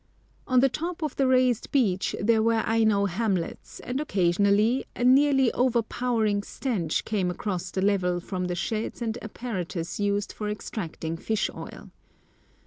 On the top of the raised beach there were Aino hamlets, and occasionally a nearly overpowering stench came across the level from the sheds and apparatus used for extracting fish oil.